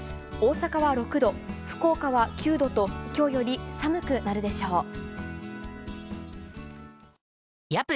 大阪は６度、福岡は９度と今日より寒くなるでしょう。